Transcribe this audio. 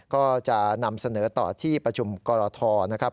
ก็จะนำเสนอต่อที่ประชุมกรทนะครับ